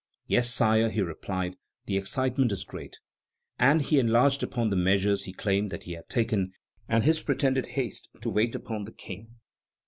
"Yes, sire," he replied, "the excitement is great." And he enlarged upon the measures he claimed that he had taken, and his pretended haste to wait upon the King.